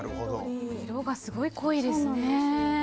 色がすごい濃いですね。